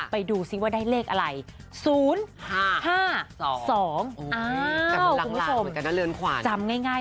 ไปดูสิว่าได้เลขอะไร๐๕๒